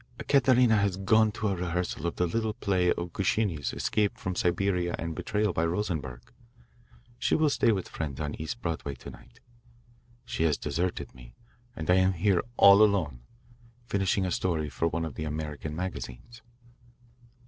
"Ekaterina has gone to a rehearsal of the little play of Gershuni's escape from Siberia and betrayal by Rosenberg. She will stay with friends on East Broadway to night. She has deserted me, and here I am all alone, finishing a story for one of the American magazines."